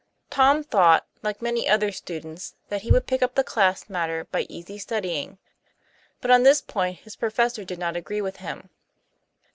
Tom thought, like many other students, that he would pick up the class matter by easy studying. But on this point his professor did not agree with him.